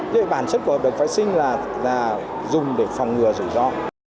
thế thì bản chất của hợp đồng phái sinh là dùng để phòng ngừa rủi ro